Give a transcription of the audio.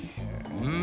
うん。